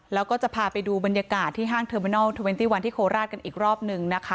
แล้วก็จะพาไปดูบรรยากาศที่ห้างเทอร์มินอลเทอร์เวนตี้วันที่โคราชกันอีกรอบหนึ่งนะคะ